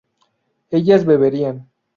ellas beberían